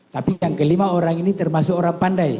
tapi yang kelima orang ini termasuk orang pandai